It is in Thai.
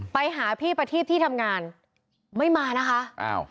ไปหาพี่ปฏิษฐ์ที่ทำงานไม่มานะคะ